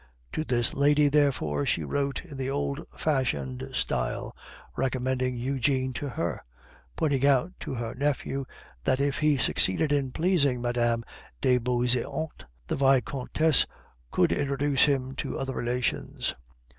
To this lady, therefore, she wrote in the old fashioned style, recommending Eugene to her; pointing out to her nephew that if he succeeded in pleasing Mme. de Beauseant, the Vicomtesse would introduce him to other relations.